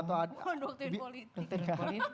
bukan doktrin politik